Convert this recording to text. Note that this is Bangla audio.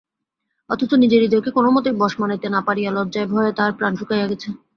অথচ নিজের হৃদয়কে কোনোমতেই বশ মানাইতে না পারিয়া লজ্জায় ভয়ে তাহার প্রাণ শুকাইয়া গেছে।